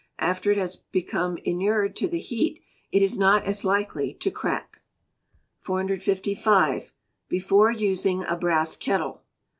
After it has become inured to the heat, it is not as likely to crack. 455. Before Using a Brass Kettle.